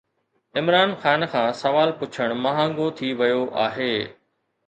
عمران خان کان سوال پڇڻ مهانگو ٿي ويو آهي